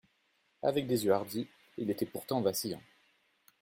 Avec des yeux hardis, il était pourtant vacillant.